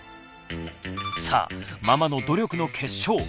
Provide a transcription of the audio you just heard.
さあママの努力の結晶。